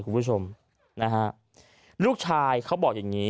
คุณผู้ชมนะฮะลูกชายเขาบอกอย่างนี้